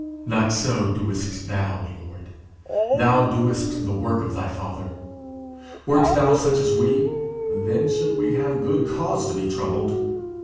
Not so doest thou, Lord! thou doest the work of thy Father! Wert thou such as we, then should we have good cause to be troubled!